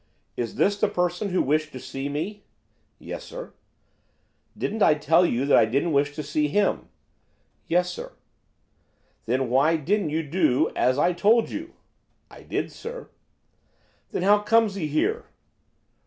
'Is this the person who wished to see me?' 'Yes, sir.' 'Didn't I tell you to say that I didn't wish to see him?' 'Yes, sir.' 'Then why didn't you do as I told you?' 'I did, sir.' 'Then how comes he here?